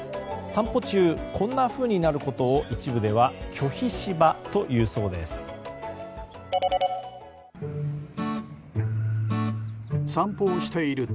散歩中、こんなふうになることを一部では拒否柴というそうです。